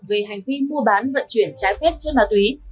về hành vi mua bán vận chuyển trái phụ